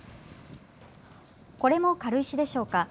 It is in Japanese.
これも軽石でしょうか。